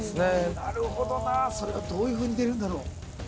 なるほどなそれがどういうふうに出るんだろう？